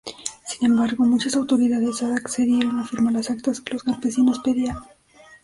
Sin embargo, muchas autoridades accedieron a firmar las actas que los campesinos pedían.